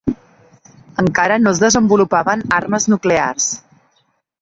Encara no es desenvolupaven armes nuclears.